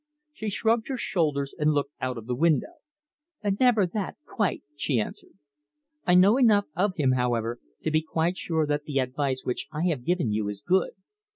She shrugged her shoulders and looked out of the window. "Never that, quite," she answered. "I know enough of him, however, to be quite sure that the advice which I have given you is good."